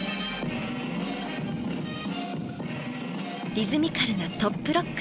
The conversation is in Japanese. リズミカルなトップロック。